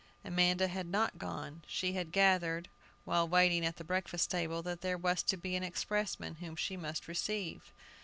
Amanda had not gone. She had gathered, while waiting at the breakfast table, that there was to be an expressman whom she must receive.